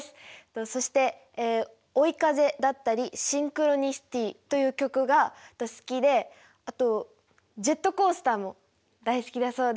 そして「追い風」だったり「シンクロニシティ」という曲が好きであとジェットコースターも大好きだそうです。